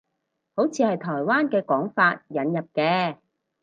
好似係台灣嘅講法，引入嘅